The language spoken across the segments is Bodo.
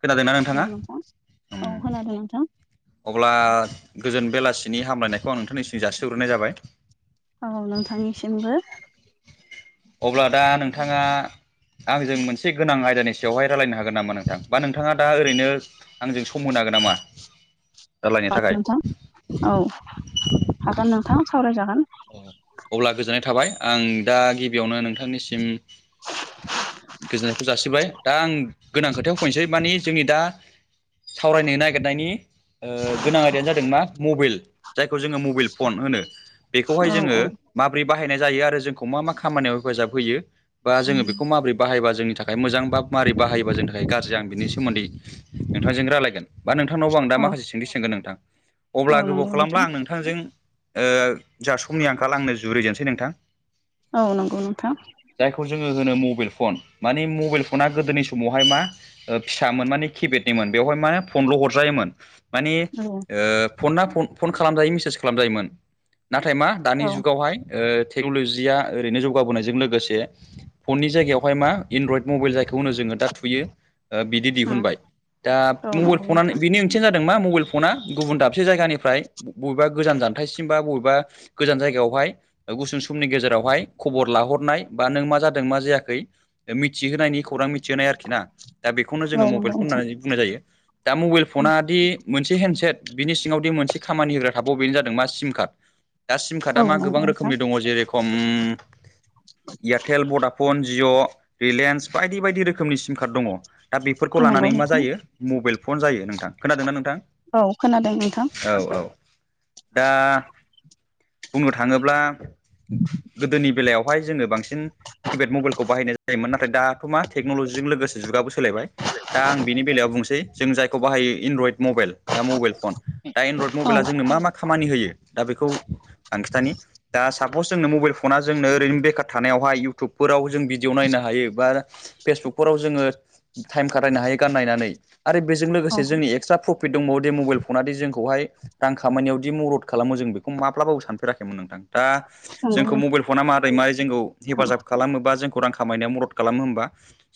खोनादोंना हेल' नोंथाङा? नोंथां उम औ खोनादों नोंथां अब्ला गोजोन बेलासिनि हामलायनायखौ आं नोंथांनिसिम जासिहरग्रोनाय जाबाय औ नोंथांनिसिमबो अब्ला दा नोंथाङा आंजों मोनसे गोनां आयदानि सायावहाय रायलायनो हागोन नामा नोंथां बा नोंथाङा दा ओरैनो आंजों सम होनो हागोन नामा रायलायनो थाखाय? नोंथां औ हागोन नोंथां सावरायजागोन अब्ला गोजोननाय थाबाय। आं दा गिबियावनो नोंथांनिसिम गोजोननायखौ जासिबाय। दा आं गोनां खोथायाव फैनोसै माने जोंनि दा सावरायनो नागिरनायनि ओ गोनां आयदायानो जादों मा मबेल। जायखौ जोङो मबेल फन होनो। बेखौहाय औ जोङो औ माबोरै बाहायनाय जायो आरो जोंखौ मा मा खामानियाव हेफाजाब होयो बा जोङो बेखौ माबोरै बाहायबा जोंनि था खाय मोजां बा मारै बायोबा जोंनि थाखाय गाज्रि जागोन बिनि सोमोन्दै नोंथांजों रायलायगोन। बा नोंथांनावबो आं दा औ माखासे सोंथि सोंगोन नोंथां। अब्ला औ गोबाव नंगौ खालामला नोंथां आं नोंथांजों ओ जा समनि आंखाल आंनो जुरिजेनसै नोंथां। औ नंगौ नोंथां। जायखौ जोङो होनो मबाइल फन। मानि मबाइल फना गोदोनि समावहाय मा ओ फिसामोन माने किपेडनिमोन बेवहाय माने फनल' हरजायोमोन। मानि औ ओ फना फन खालामजायो मेसेज खालाम जायोमोन। नाथाय मा दानि औ जुगावहाय ओ टेक्न'ल'जिया ओरैनो जौगाबोनायजों लोगोसे फननि जायगायावहाय मा एनरइद मबेल जायखौ होनो जोङो दा थुयो ओ बिदि दिहुनबाय। दा औ मबेल नंगौ फनानो नोंथां बिनि ओं मोनसेया जादों मा मबेल फना गुबुन दाबसे जायगानिफ्राय बबेबा गोजान जानथायसिम बा बबेबा गोजान जायगायावहाय गुसुं समनि गेजेरावहाय खबर लाहरनाय बा नों मा जादों मा जायाखै मिथिहोनायनि खौरां मिथिहोनाय आरोखि ना। दा बेखौनो जोङो औ नंगौ मबेल फन नोंथां होननानै बुंनाय जायो। दा मबेल फना दि मोनसे हेन्दसेट। बिनि सिङावदि मोनसे खामानि होग्रा थाबावो बेनो जादों मा सिम कार्ड। दा सिम कार्डआ औ मा नंगौ गोबां नोंथां रोखोमनि दङ' जेरेखम एयारटेल भडाफन जिअ' रिलेन्स बायदि बायदि रोखोमनि सिम कार्ड दङ'। दा बेफोरखौ लानानै नंगौ मा नोंथां जायो मबेल फन जायो नोंथां। खोनादों ना नोंथां? औ खोनादों नोंथां। औ औ दा बुंनो थाङोब्ला गोदोनि बेलायावहाय जोङो बांसिन किपेड मबेलखौ बाहायनाय जायोमोन। नाथाय दाथ' मा टेक्न'ल'जिजों लोगोसे जुगाबो सोलायबाय। दा आं बिनि बेलायाव बुंसै जों जायखौ बाहायो एनरइड मबेल। दा मबेल फन। दा एनरइड औ मबेला जोंनो मा मा खामानि होयो दा बेखौ आं खिथानि। दा सापस जोंनो मबेल फना जोंनो ओरैनो बेखार थानायावहाय इउटुबफोराव जों भिडिअ 'नायनो हायो बा फेसबुकफोराव जोङो थाइम खाथायनो हायो गाननायनानै आरो बेजों औ लोगोसे जोंनि एक्सट्रा फ्र फिट दंबावो दे मबेल फनादि जोंखौहाय रां खामानियाव दि मदद खालामो जों बे खौ माब्लाबाबो सानफेराखैमोन नोंथां। दा जोंखौ नंगौ मबेल फना मा रै मारै जोंखौ हेफाजाब खालामोबा जोंखौ रां खामायनायाव मदद खालामो होमबा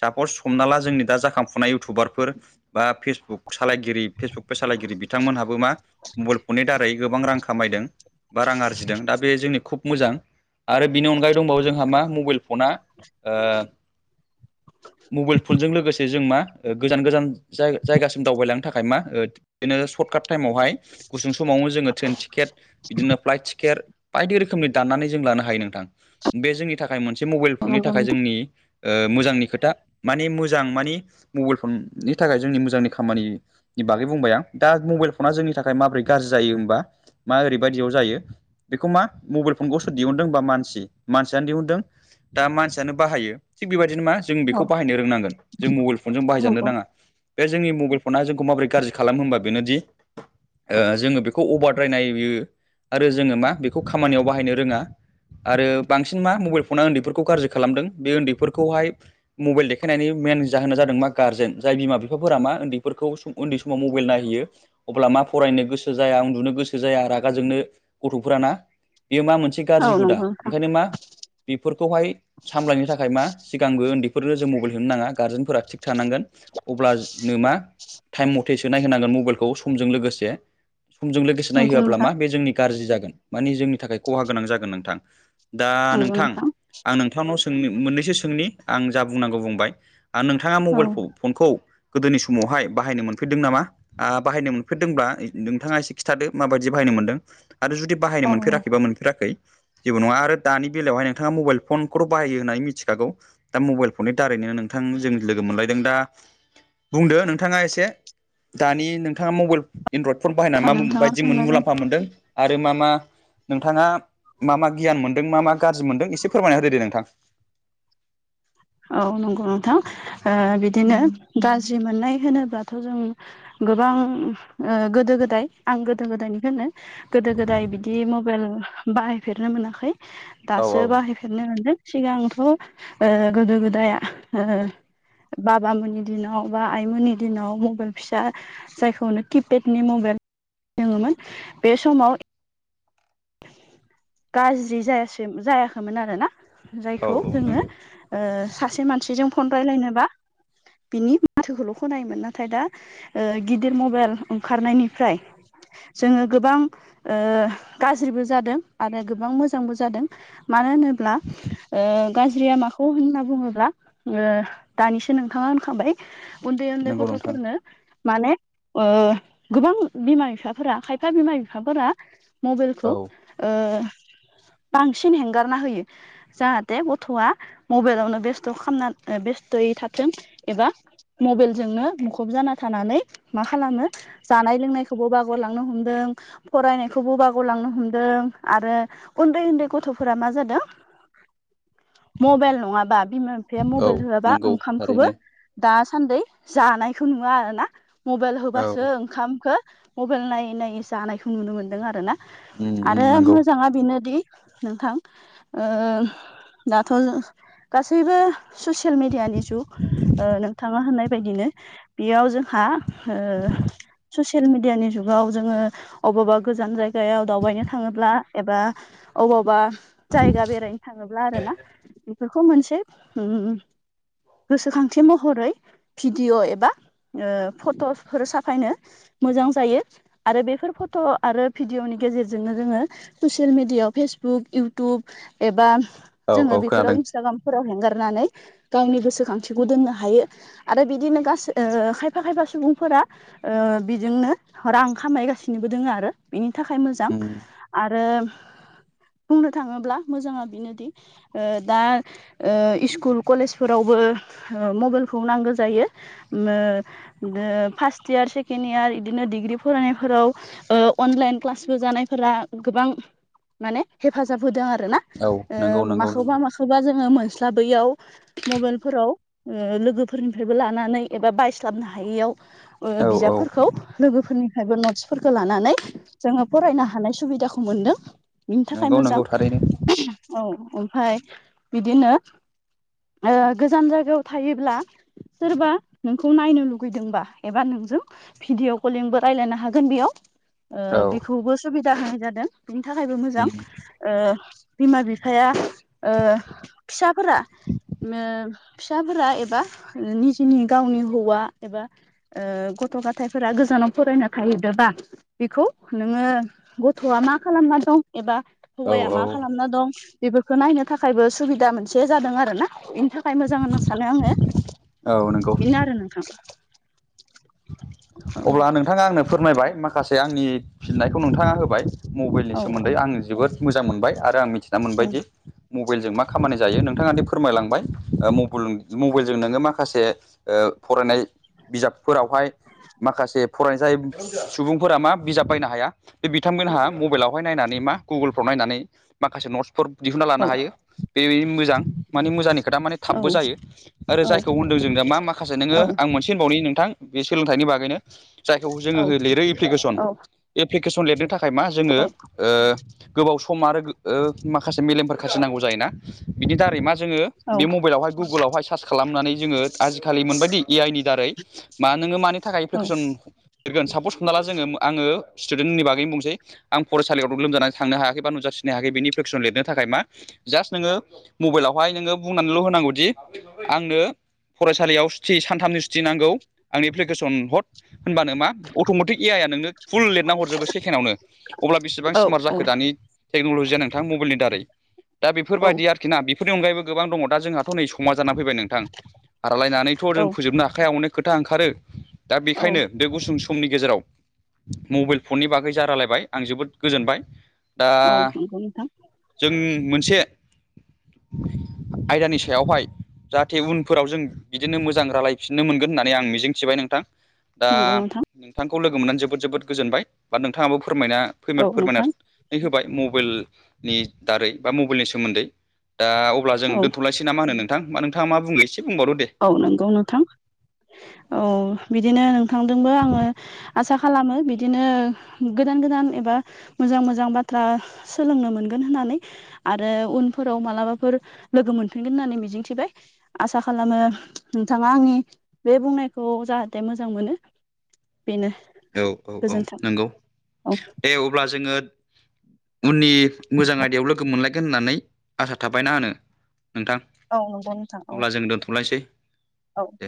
सापस हमना ला जोंनि दा जाखांफुनाय इउटुबारफोर बा फेसबुक सालायगिरि फेसबुक पेज सालायगिरि बिथांमोनहाबो मा मबाइल फननि दारै गोबां रां खामायदों। बा रां आरजिदों। दा बे जोंनि खुब मोजां आरो बिनि अनगायै दंबावो जोंहा मा मबेल फना ओ मबेल फनजों लोगोसे जों मा ओ गोजान गोजान जाय-जायगासिम दावबायलांनो थाखाय मा ओ बिदिनो सर्ट काट टाइमावहाय गुसुं समावनो जोङो ट्रेन टिकेट बिदिनो फ्लाइट टिकेर बायदि रोखोमनि दाननानै जों लानो हायो नोंथां। बे जोंनि थाखाय मोनसे मबेल फननि नंगौ थाखाय नोंथां जोंनि ओ मोजांनि खोथा। माने मोजां मानि मबेल फननि थाखाय जोंनि मोजांनि खामानि नि बागै बुंबाय आं। दा मबेल फना जोंनि थाखाय माब्रै गारजि जायो होनबा मा ओरैबायदियाव जायो बेखौ मा मबेल फनखौ सोर दिहुनदों होनबा मानसि। मानसियानो दिहुनदों। दा मानसियानो बाहायो थिग बेबायदिनो मा जों औ बेखौ बाहायनो रोंनांगोन। जों मबेल फनजों बाहायजानो नंगौ नाङा। बे जोंनि मबेल फना जोंखौ माबोरै गाज्रि खालामो होनबा बेनोदि ओ जोङो बेखौ अभारद्रायनाययो आरो जोङो मा बेखौ खामानियाव बाहायनो रोङा। आरो बांसिन मा मबाइल फना उन्दैफोरखौ गाज्रि खालामदों बे उन्दैफोरखौहाय मबाइल देखायनायनि मेन जाहोना जादों मा गार्जेन जाय बिमा बिफाफोरा मा उन्दैफोरखौ उन्दै समाव मबाइल नायहैयो अब्ला मा फरायनो गोसो जाया उन्दुनो गोसो जाया आरो जाजोंनो गथ'फोराना बेयो मा मोनसे औ गाज्रि नंगौ हुदा नोंथां ओंखायनो मा बेफोरखौहाय सामलायनो थाखाय मा सिगांबो उन्दैफोरनो जों मबाइल होनो नाङा गारजेनफोरा थिग थानांगोन अब्लनो मा टाइम मथेसो नायहोनांगोन मबाइलखौ समजों लोगोसे समजों लोगोसे नंगौ नायहोआब्ला नोंथां मा बे जोंनि गाज्रि जागोन माने जोंनि थाखाय खहा गोनां जागोन नोंथां। दा नोंथां आं नोंथांनाव सों मोननैसो सोंनि आं जा बुंनांगौ बुंबाय। आं नोंथाङा औ मबाइलखौ फनखौ गोदोनि समावहाय बाहायनो मोनफैदों नामा आ बाहायनो मोनफेरदोंबा नोंथाङा एसे खिथादो माबायदि जि बाहायनो मोन्दों आरो जुदि बाहायनो मोनफेराखैबा मोनफेराखै जेबो नङा आरो दानि बेलायावहाय नोंथाङा मबाइल फनखौथ' बाहायो होन्नानै मिथिखागौ दा मबाइल फननि दारैनो नोंथां जों लोगो मोनलायदों दा बुंदो नोंथाङा एसे दानि नोंथाङा मबाइल एनड्रयद फन बाहायनाय औ मा नोंथाङा बायदि सोंनो मोन गोनां मुलाम मोनदों आरो मा मा नोंथाङा मा मा गियान मोनदों मा मा गाज्रि मोनदों एसे फोरमाय होदो दे नोंथां औ नंगौ नोंथां ओ बिदिनो गाज्रि मोननाय होनोब्लाथ' जों गोबां ओ गोदो गोदाय आं गोदो गोदायनिखौ होनदों गोदो गोदाय बिदि मबाइल बाहायफेरनो मोनाखै औ औ दासो बाहाय फेरनो मोनदों सिगांथ' ओ गोदो गोदाया ओ बाबामोननि दिनाव बा आइमोननि दिनाव मबाइल फिसा जायखौनो किपेडनि मबाइल दोङोमोन बे समाव गाज्रि जायासै जायाखैमोन आरोना औ जायखौ औ जोङो नंगौ ओ सासे मानसिजों फन रायलायनोबा बिनि माथोखौल' खनायोमोन नाथाय दा ओ गिदिर मबाइल ओंखारनायनिफ्राय जोङो गोबां ओ गाज्रिबो जादों आरो गोबां मोजांबो जादों मानो होनोब्ला ओ गाज्रिया माखौ होनना बुङोब्ला ओ दानिसो नोंथाङा होनखाबाय उन्दै उन्दै नंगौ नोंथां गथ'फोरनो माने ओ गोबां बिमा बिफाफोरा खायफा बिमा बिफाफोरा मबाइलखौ औ ओ बांसिन हेंगारना होयो जाहाथे गथ'आ मबाइलावनो बेस्थ' खालामना बेस्थ'यै थाथों एबा मबाइलजोंनो मुखुब जाना थानानै मा खालामो जानाय लोंनायखौबो बारगारलांनो हमदों फरायनाय खौबो बारग'लांनो हमदों आरो उन्दै उन्दै गथ'फोरा मा जादों मबाइल नङाबा बिमा बिफाया औ मबाइल होआबा नंगौ ओंखामखौबो थारैनो दासान्दै जानायखौ नुवा आरो ना मबाइल औ होबासो ओंखामखौ मबाइल नायै नायै जानायखौ नुनो मोन्दों आरो ना उम उम आरो नंगौ मोजाङा बेनोदि नोंथां ओ दाथ' गासैबो ससियेल मिडियानि जुग ओ नोंथाङा होननाय बायदिनो बेयाव जोंहा ओ ससियेल मिडियानि जुगाव जोङो अबावबा गोजान जायगायाव दावबायनो थाङोब्ला एबा अबावबा जायगा बेराय थाङोब्ला आरोना बेफोरखौ मोनसे उम गोसोखांथि महरै भिडिअ' एबा ओ फट'फोर साफायनो मोजां जायो आरो बेफोर फट' आरो भिडिअनि गेजेरजोंनो जोङो ससियेल मिडियायाव फेसबुक इउटुब एबा औ जोङो औ खोनादों बेफोराव इन्सटाग्रामफोराव हेंगारनानै गावनि गोसोखांथिखौ दोननो हायो। आरो बिदिनो गासै ओ खायफा खायफा सुबुंफोरा ओ बेजोंनो रां खामायगासिनोबो दोङो आरो बिनि थाखाय मोजां उम आरो बुंनो थाङोब्ला मोजाङा बेनोदि ओ दा ओ इस्कुल कलेजफोरावबो ओ मबाइलखौ नांगौ जायो। मो दो फार्स्ट इयार सेकेण्ड यार इदिनो डिग्रि फरायनायफोराव ओ अनलाइन क्लासबो जानायफोरा गोबां माने हेफाजाब होदों आरो ना। औ ओ नंगौ नंगौ नंगौ माखौबा माखौबा जोङो मोनस्लाबैयाव मबाइलफोराव ओ लोगोफोरनिफ्रायबो लानानै एबा बायस्लाबनो हायैयाव ओ औ औ बिजाबफोरखौ लोगोफोरनिफ्रायबो नटसफोरखौ लानानै जोङो फरायनो हानाय सुबिदाखौ मोनदों बिनि थाखाय नंगौ मोजां। नंगौ थारैनो औ ओमफाय बिदिनो ओ गोजान जायगायाव थायोब्ला सोरबा नोंखौ नायनो लुगैदोंबा एबा नोंजों भिडिअ कलिंबो रायलायनो हागोन बेयाव। औ ओ बेखौबो सुबिदा होनाय जादों बिनि थाखायबो मोजां। उम ओ बिमा बिफाया ओ फिसाफोरा मो फिसाफोरा एबा निजेनि गावनि हौवा एबा ओ गथ' गथायफोरा गोजानाव फरायनो थाहैदोबा बेखौ नोङो गथ'आ मा खालामना दं एबा औ हौवाया औ मा खालामना दं बेफोरखौ नायनो थाखायबो सुबिदा मोनसे जादों आरोना बेनि थाख खाय मोजां होनना सानो आङो औ नंगौ बेनो आरो नोंथां। अब्ला नोंथाङा आंनो फोरमायबाय माखासे आंनि फिननायखौ नोंथाङा होबाय। मबाइलनि औ औ सोमोन्दै आं जोबोद मोजां मोनबाय आरो आं मिथिना मोनबाय दि मबाइलजों मा खामानि जायो नोंथाङा दि फोरमायलांबाय ओ मबाइल मबाइलजों नोङो माखासे ओ फरायनाय बिजाबफोरावहाय माखासे फरायनाय जाय सुबुंफोरा मा बिजाब बायनो हाया बे बिथांमोनहा मबाइलावहाय नायनानै मा गुगोलफ्राव नायनानै माखासे नटस फोर दिहुनन्ना लानो हायो बे मोजां मानि मोजांनि खोथा माने औ थाबबो जायो। आरो जायखौ होनदों जों दा मा माखासे नोङो आं मोनसे होनबावनि नोंथां बे सोलोंथाइनि बागैनो। जायखौ जोङो लिरो एप्लिकेसन औ एप्लिकेसन लिरनो थाखाय मा जोङो औ ओ गोबाव सम आरो गो ओ माखासे मेलेमफोर खाथिनांगौ जायोना बिनि दारै मा जोङो बे मबाइलावहाय गुगोल आवहाय सार्च खालामनानै जोङो आजिखालि मोनबायदि ए आइ नि दारै मा नोङो मानि थाखाय एप्लिकेसन लिरगोन सापस हमना ला जोङो आङो स्टुडेन्टनि बागैनो बुंसै। आं फरायसालियाव लोमजानानै थांनो हायाखै बा नुजाथिनो हायाखै बेनि इप्लिकेसन लिरनो थाखाय मा जास्ट नोङो मबाइलावहाय नोङो बुंनानैल' होनांगौदि आंनो फरायसालियाव सुथि सानथामनि सुथि नांगौ आंनि एप्लिकेसन हद होनबानो मा अट'मेटिक ए आइ आ नोंनो फुल लिरना हरजोबो सेकेण्डआवनो अब्ला बेसेबां औ स्मार्ट जाखो दानि टेक्न'ल'जिया नोंथां मबाइलनि दारै दा बेफोरबायदि आर खिना बेफोरनि अनगायैबो गोबां दङ दा जोंहाथ' नै समा जानानै फैबाय नों थां रालायनानैथ' जों फोजोबनो हाखाया अनेक खोथा ओंखारो दा बेखायनो बे गुसुं समनि गेजेराव मबाइल फननि बागै जा रालायबाय आं जोबोद गोजोनबाय। दा औ नंगौ नोंथां जों मोनसे आयदानि सायावहाय जाहाथे उनफोराव जों बिदिनो मोजां रालायफिननो मोनगोन होनना नै आं मिजिंथिबाय नोंथां दा नंगौ नोंथां नोंथांखौ लोगो मोननानै जोबोद जोबोद गोजोनबाय बा नोंथाङाबो फोरमायना औ फोरमाय फोरमायना नोंथां नै होबाय मबाइलनि दारै बा मबाइलनि सोमोन्दै दा अब्ला जों औ दोनथ'लाय सै ना मा होनो नोंथां बा नोंथांआ मा बुङो एसे बुंबावदो दे औ नंगौ नोंथां औ बिदिनो नोंथांजोंबो आङो आसा खालामो बिदिनो गोदान गोदान एबा मोजां मोजां बाथ्रा सोलोंनो मोनगोन होननानै। आरो उनफोराव मालाबाफोर लोगो मोनफिनगोन होननानै मिजिंथिबाय आसा खालामो नोंथाङा आंनि बे बुंनायखौ जाहाथे मोजां मोनो। बेनो। औ औ औ गोजोन्थों नंगौ औ दे अब्ला जोङो उननि मोजां आयदायाव लोगो मोनलायगोन होननानै आसा थाबायना आ नोंथां। औ नंगौ नोंथां औ अब्ला जों दोनथ'लायसै। औ। दे